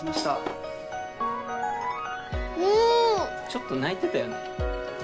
ちょっと泣いてたよね？